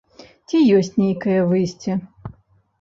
Ці ёсць нейкае выйсце?